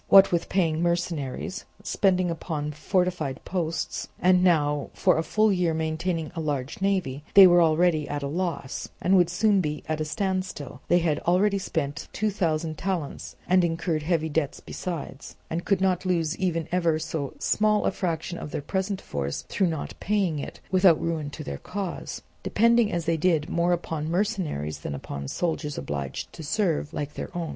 What with paying mercenaries, spending upon fortified posts, and now for a full year maintaining a large navy, they were already at a loss and would soon be at a standstill: they had already spent two thousand talents and incurred heavy debts besides, and could not lose even ever so small a fraction of their present force through not paying it, without ruin to their cause; depending as they did more upon mercenaries than upon soldiers obliged to serve, like their own.